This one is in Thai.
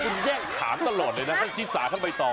ไม่คุณแย่งถามตลอดเลยนะที่สาข้างไปต่อ